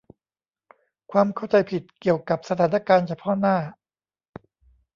ความเข้าใจผิดเกี่ยวกับสถานการณ์เฉพาะหน้า